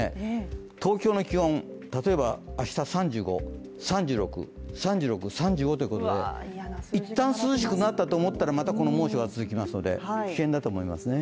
東京の気温、例えば明日３５、３６、３６ということで一旦涼しくなったと思ったらまたこの猛暑が続きますので危険だと思いますね。